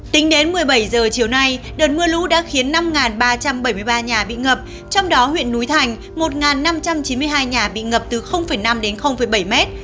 tính đến một mươi bảy h chiều nay đợt mưa lũ đã khiến năm ba trăm bảy mươi ba nhà bị ngập trong đó huyện núi thành một năm trăm chín mươi hai nhà bị ngập từ năm đến bảy mét